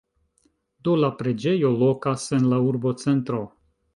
Do, la preĝejo lokas en la urbocentro.